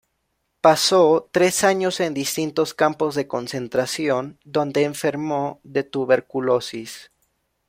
Pasó tres años en distintos campos de concentración, donde enfermó de tuberculosis.